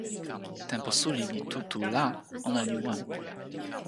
tenpo suli li tu tu la, ona li wan.